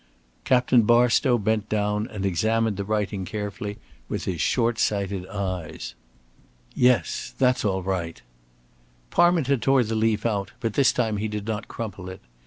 Captain Barstow bent down and examined the writing carefully with his short sighted eyes. "Yes, that's all right." Parminter tore the leaf out, but this time he did not crumple it.